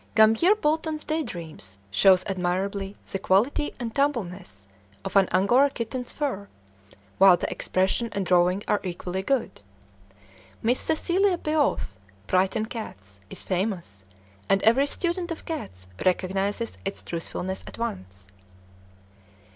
Gambier Bolton's "Day Dreams" shows admirably the quality and "tumbled ness" of an Angora kitten's fur, while the expression and drawing are equally good. Miss Cecilia Beaux's "Brighton Cats" is famous, and every student of cats recognizes its truthfulness at once.